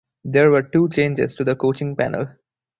There were two changes to the coaching panel.